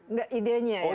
nggak idenya ya